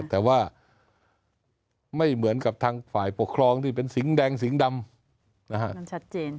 แต่ว่าไม่เหมือนกับทางฝ่ายปกครองที่เป็นสิงห์แดงสิงห์ดำมันชัดเจน